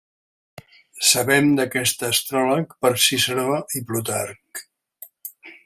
Sabem d'aquest astròleg per Ciceró i Plutarc.